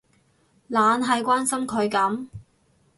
懶係關心佢噉